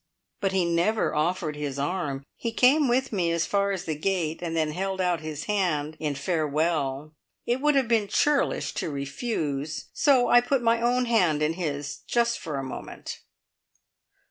But he never offered his arm! He came with me as far as the gate, and then held out his hand in farewell. It would have been churlish to refuse, so I put my own hand in his just for a moment.